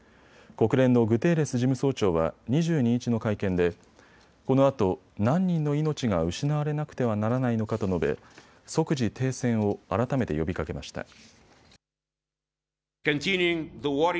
国連のグテーレス事務総長は２２日の会見でこのあと何人の命が失われなくてはならないのかと述べ、即時停戦を改めて呼びかけました。